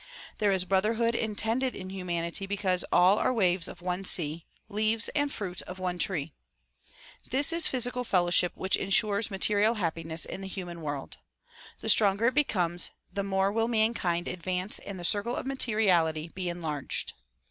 There is brotherhood intended in humanity because all are waves of one sea, leaves and fruit of one tree. This is physical fellowship which insures material happiness in the human world. The stronger it becomes, the more will mankind advance and the circle of materi ality be enlarged.